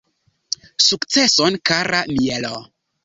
Sukceson kara Mielo!